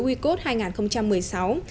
khi đến với wicode hai nghìn một mươi sáu